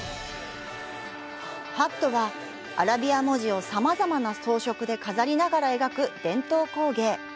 ハットは、アラビア文字をさまざまな装飾で飾りながら描く伝統工芸。